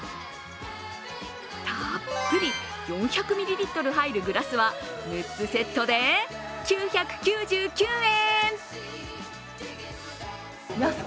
たっぷり４００ミリリットル入るグラスは６つセットで９９９円。